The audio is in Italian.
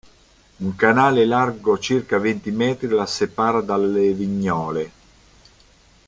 Un canale largo circa venti metri la separa dalle Vignole.